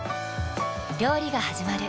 料理がはじまる。